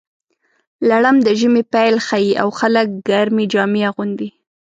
لړم د ژمي پیل ښيي، او خلک ګرمې جامې اغوندي.